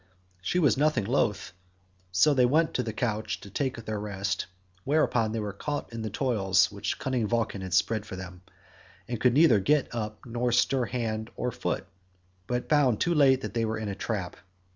She was nothing loth, so they went to the couch to take their rest, whereon they were caught in the toils which cunning Vulcan had spread for them, and could neither get up nor stir hand or foot, but found too late that they were in a trap.